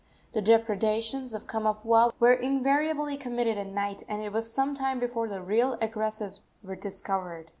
The depredations of Kamapuaa were invariably committed at night, and it was some time before the real aggressors were discovered.